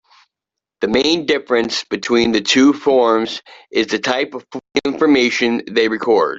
The main difference between the two forms is the type of information they record.